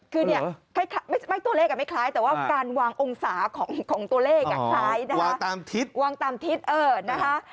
คือเนี่ยไม่ตัวเลขไม่คล้ายแต่ว่าการวางองศาของตัวเลขคล้ายนะคะวางตามทิศวางตามทิศนะคะ